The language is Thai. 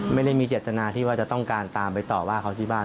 ไม่ได้มีเจตนาที่ว่าจะต้องการตามไปต่อว่าเขาที่บ้าน